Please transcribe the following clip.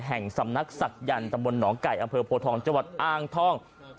แห่งสำนักศักยันต์ตำบลหนองไก่อำเภอโพทองจังหวัดอ้างทอง